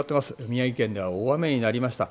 宮城県では大雨になりました。